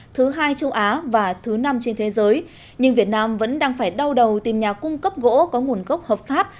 thứ hai châu á và thứ năm trên thế giới nhưng việt nam vẫn đang phải đau đầu tìm nhà cung cấp gỗ có nguồn gốc hợp pháp